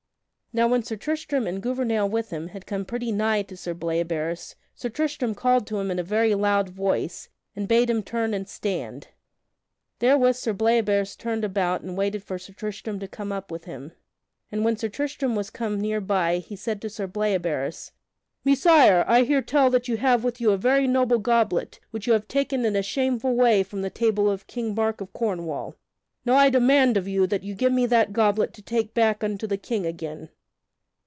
Now when Sir Tristram and Gouvernail with him had come pretty nigh to Sir Bleoberis, Sir Tristram called to him in a very loud voice, and bade him turn and stand. Therewith Sir Bleoberis turned about and waited for Sir Tristram to come up with him. And when Sir Tristram was come near by, he said to Sir Bleoberis: "Messire, I hear tell that you have with you a very noble goblet which you have taken in a shameful way from the table of King Mark of Cornwall. Now I demand of you that you give me that goblet to take back unto the King again."